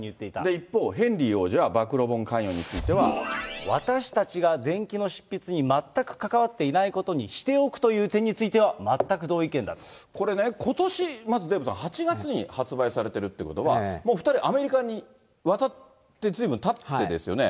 一方、ヘンリー王子は、暴露本関与については。私たちが伝記の執筆に全く関わっていないことにしておくといこれね、ことし、まずデーブさん、８月に発売されてるってことは、もう２人はアメリカに渡ってずいぶんたってですよね。